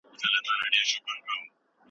تصنع د حقایقو مخه نیسي.